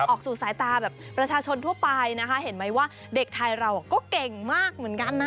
ออกสู่สายตาแบบประชาชนทั่วไปนะคะเห็นไหมว่าเด็กไทยเราก็เก่งมากเหมือนกันนะ